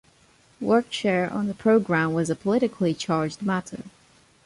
Workshare on the programme was a politically charged matter.